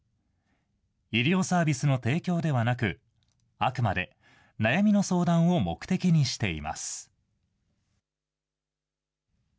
医療サービスの提供ではなく、あくまで悩みの相談を目的にしています。